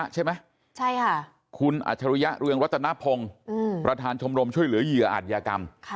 คุณอัชริยะใช่ไหมใช่ค่ะคุณอัชริยะเรืองวัฒนภงอืมประธานชมรมช่วยเหลือเหยื่ออาทยากรรม